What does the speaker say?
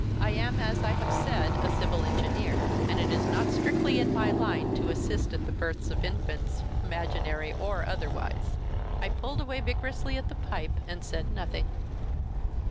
I am, as I have said, a civil engineer, and it is not strictly in my line to assist at the births of infants, imaginary or otherwise. I pulled away vigorously at the pipe, and said nothing.